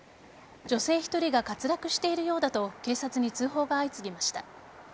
女性１人が滑落しているようだと警察に通報が相次ぎました。